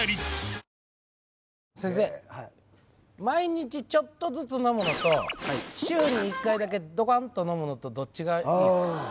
毎日ちょっとずつ飲むのと週に１回だけドカンと飲むのとどっちがいいですか？